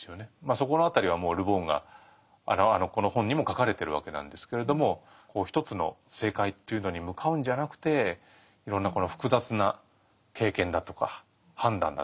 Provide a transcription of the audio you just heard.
そこの辺りはもうル・ボンがこの本にも書かれてるわけなんですけれども一つの正解というのに向かうんじゃなくていろんなこの複雑な経験だとか判断だとか。